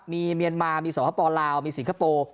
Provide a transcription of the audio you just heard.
มีเมียนมามีสปลาวมีสิงคโปร์